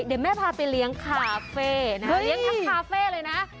เดี๋ยวแม่พาไปเลี้ยงคาเฟ่นะฮะเลี้ยงทั้งคาเฟ่เลยนะ